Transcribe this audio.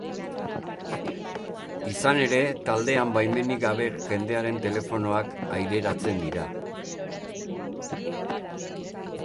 Izan ere, taldean baimenik gabe jendearen telefonoak aireratzen dira.